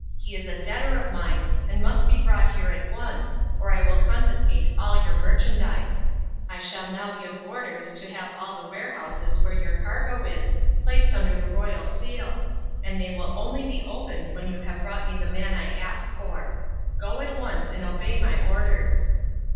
He is a debtor of mine and must be brought here at once, or I will confiscate all your merchandise. I shall now give orders to have all the warehouses where your cargo is placed under the royal seal, and they will only be opened when you have brought me the man I ask for. Go at once and obey my orders."